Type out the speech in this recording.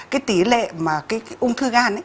cái tỷ lệ mà cái ung thư gan